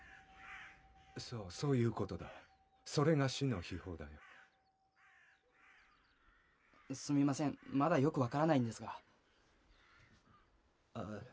そうそういうことだそれが死の秘宝だよすみませんまだよく分からないんですがああ